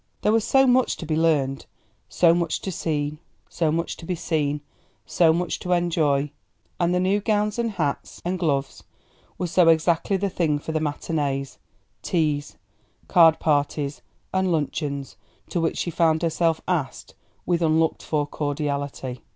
There was so much to be learned, so much to be seen, so much to enjoy; and the new gowns and hats and gloves were so exactly the thing for the matinées, teas, card parties and luncheons to which she found herself asked with unlooked for cordiality.